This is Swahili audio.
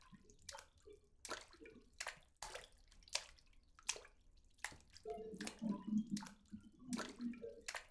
Uidhinishaji huo mpya unabatilisha uamuzi wa Rais wa zamani wa Marekani wa elfu mbili na ishirini